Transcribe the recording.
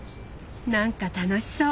なんか楽しそう！